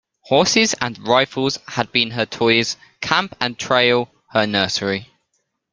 Horses and rifles had been her toys, camp and trail her nursery.